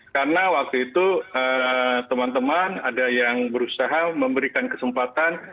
karena waktu itu teman teman ada yang berusaha memberikan kesempatan